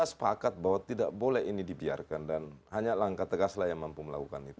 saya sepakat bahwa tidak boleh ini dibiarkan dan hanya langkah tegaslah yang mampu melakukan itu